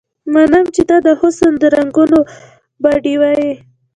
منم چې ته د حسن د رنګونو باډيوه يې